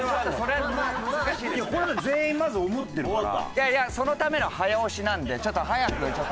いやいやそのための早押しなんでちょっと早く。